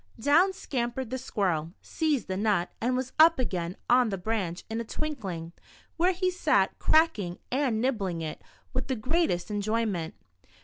Down scampered the squirrel, seized the nut, and was up again on the branch in a twinkling, where he sat crack ing and nibbling it, with the greatest enjoyment.